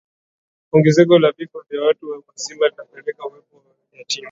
ongezeko la vifo vya watu wazima linapelekea uwepo wa yatima